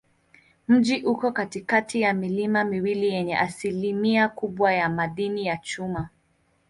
Mji uko katikati ya milima miwili yenye asilimia kubwa ya madini ya chuma.